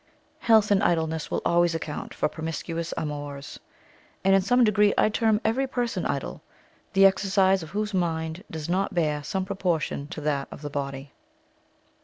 Health and idleness will always account for promiscuous amours; and in some degree I term every person idle, the exercise of whose mind does not bear some proportion to that of the body.